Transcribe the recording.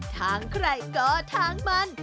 ทางใครก็ทางมัน